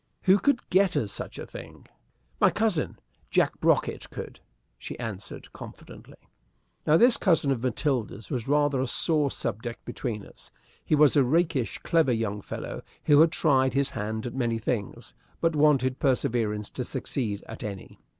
"Who could get us such a thing?" "My cousin, Jack Brocket, could," she answered, confidently. Now, this cousin of Matilda's was rather a sore subject between us. He was a rakish, clever young fellow, who had tried his hand at many things, but wanted perseverance to succeed at any.